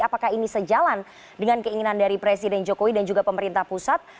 apakah ini sejalan dengan keinginan dari presiden jokowi dan juga pemerintah pusat